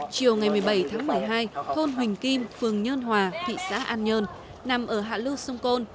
chiều ngày một mươi bảy tháng một mươi hai thôn huỳnh kim phường nhơn hòa thị xã an nhơn nằm ở hạ lưu sông côn